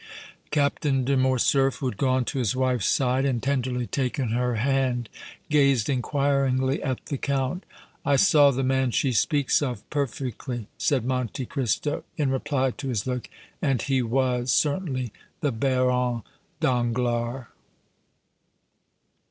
Captain de Morcerf, who had gone to his wife's side and tenderly taken her hand, gazed inquiringly at the Count. "I saw the man she speaks of perfectly," said Monte Cristo, in reply to his look, "and he was certainly the Baron Danglars!"